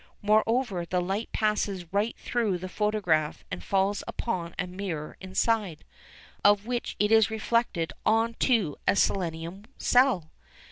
Moreover, the light passes right through the photograph and falls upon a mirror inside, off which it is reflected on to a selenium cell.